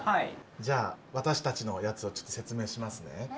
じゃあ私たちのやつをちょっと説明しますね。